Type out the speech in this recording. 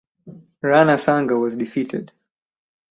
Rana Sanga was defeated.